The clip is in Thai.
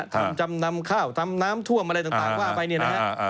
ทำจำนำข้าวทำน้ำท่วมอะไรต่างว่าไปเนี่ยนะฮะ